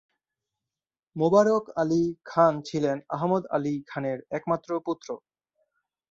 মুবারক আলী খান ছিলেন আহমদ আলী খানের একমাত্র পুত্র।